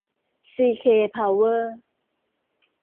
ซีเค พาวเวอร์